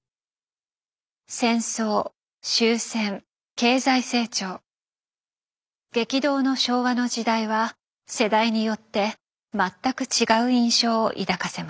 戦争終戦経済成長激動の昭和の時代は世代によって全く違う印象を抱かせます。